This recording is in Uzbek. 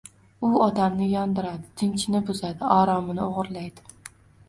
U odamni yondiradi, tinchini buzadi, oromini o‘g‘rilaydi.